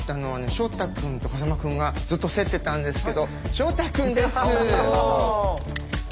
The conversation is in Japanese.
照太くんと風間くんがずっと競ってたんですけど照太くんです。